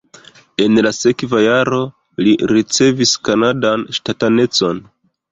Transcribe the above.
En la sekva jaro li ricevis kanadan ŝtatanecon.